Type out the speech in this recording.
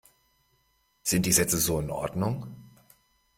Sind die Sätze so in Ordnung?